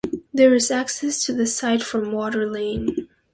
There is access to the site from Water Lane.